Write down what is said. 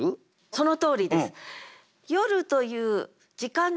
そのとおりです。